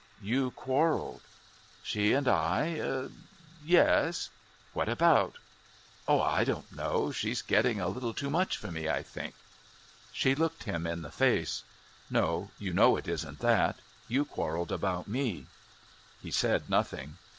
"You quarrelled." "She and I? yes." "What about?" "Oh, I don't know. She's getting a little too much for me, I think." She looked him in the face. "No, you know it isn't that. You quarrelled about me." He said nothing.